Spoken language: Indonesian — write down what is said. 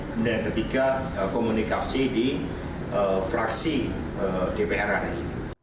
kemudian yang ketiga komunikasi di fraksi dpr ri